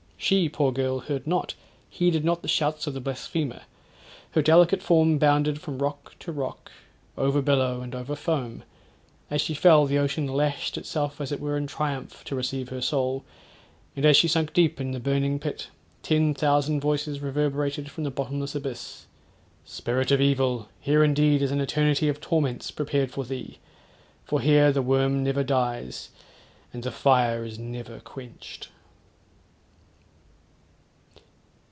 She, poor girl, heard not, heeded not the shouts of the blasphemer. Her delicate form bounded from rock to rock, over billow, and over foam; as she fell, the ocean lashed itself as it were in triumph to receive her soul, and as she sunk deep in the burning pit, ten thousand voices reverberated from the bottomless abyss, 'Spirit of evil! here indeed is an eternity of torments prepared for thee; for here the worm never dies, and the fire is never quenched.'